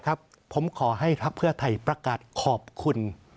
ครับผมขอให้พระเพื่อไทยประกาศขอบคุณ